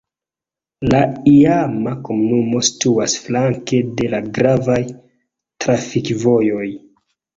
La iama komunumo situas flanke de la gravaj trafikvojoj.